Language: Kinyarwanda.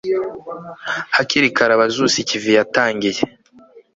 hakiri kare abazusa ikivi yatangiye